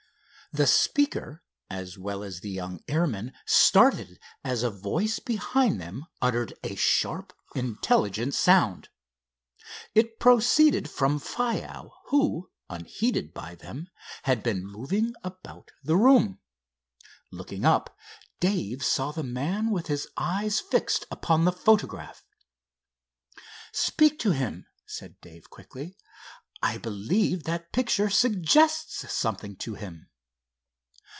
The speaker as well as the young airman started as a voice behind them uttered a sharp intelligent sound. It proceeded from Faiow, who, unheeded by them, had been moving about the room. Looking up, Dave saw the man with his eyes fixed upon the photograph. "Speak to him," said Dave, quickly. "I believe that picture suggests something to him."